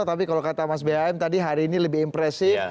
tapi kalau kata mas bam tadi hari ini lebih impresif